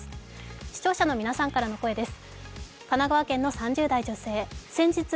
視聴者の皆さんからの声です。